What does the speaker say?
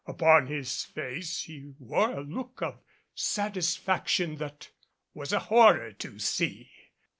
Upon his face he wore a look of satisfaction that was a horror to see.